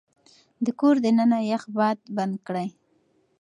د کور دننه يخ باد بند کړئ.